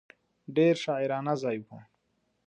ډېر شاعرانه ځای و.